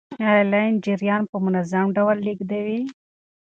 آیا لین جریان په منظم ډول لیږدوي؟